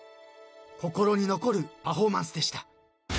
［心に残るパフォーマンスでした］